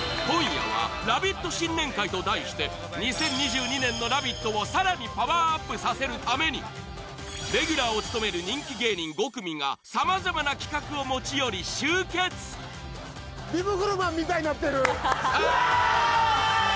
今夜は「ラヴィット！新年会」と題して２０２２年の「ラヴィット！」をさらにパワーアップさせるためにレギュラーを務める人気芸人５組が様々な企画を持ち寄り集結わあ！